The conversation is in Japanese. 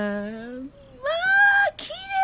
まあきれい！